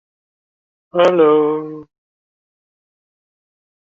The system is to be constructed by Alcatel Submarine Networks.